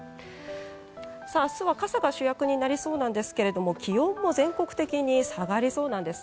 明日は傘が主役になりそうなんですが気温も全国的に下がりそうなんです。